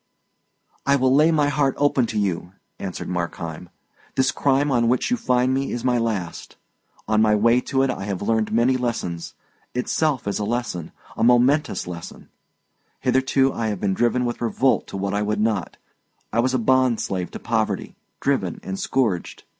"I will lay my heart open to you," answered Markheim. "This crime on which you find me is my last. On my way to it I have learned many lessons; itself is a lesson a momentous lesson. Hitherto I have been driven with revolt to what I would not; I was a bond slave to poverty, driven and scourged.